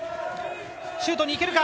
シュートにいけるか？